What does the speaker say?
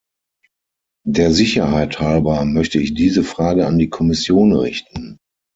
Der Sicherheit halber möchte ich diese Frage an die Kommission richten.